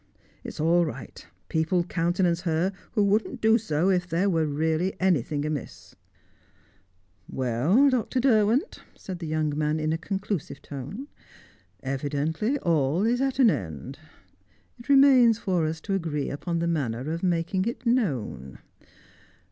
"Oh, it's all right. People countenance her who wouldn't do so if there were anything really amiss." "Well, Dr. Derwent," said the young man in a conclusive tone, "evidently all is at an end. It remains for us to agree upon the manner of making it known.